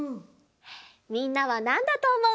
みんなはなんだとおもう？